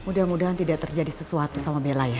mudah mudahan tidak terjadi sesuatu sama bella ya